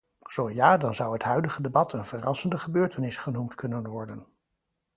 Zo ja, dan zou het huidige debat een verrassende gebeurtenis genoemd kunnen worden.